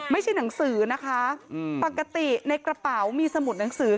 ไม่ใช่หนังสือนะคะปกติในกระเป๋ามีสมุดหนังสือ